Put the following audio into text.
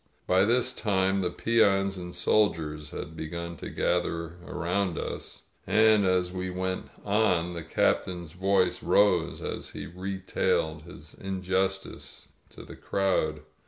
By this time the peons and soldiers had begun to gather around us, and as we went on the Captain's voice rose as he retailed his injustice to the crowd.